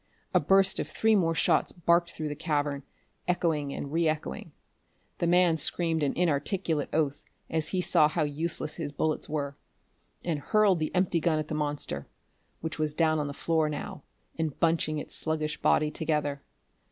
A burst of three more shots barked through the cavern, echoing and re echoing. The man screamed an inarticulate oath as he saw how useless his bullets were, and hurled the empty gun at the monster which was down on the floor now, and bunching its sluggish body together.